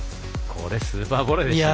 スーパーボレーでした。